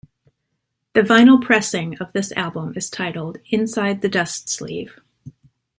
The vinyl pressing of this album is titled "Inside the Dust Sleeve".